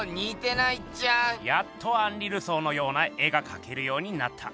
「やっとアンリ・ルソーのような絵が描けるようになった」。